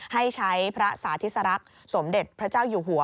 ให้ใช้พระสาธิสรักษ์สมเด็จพระเจ้าอยู่หัว